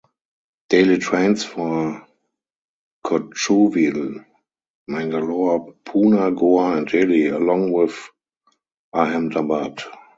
Daily trains for Kochuveli, Mangalore, Pune, Goa and Delhi along with Ahemdabad.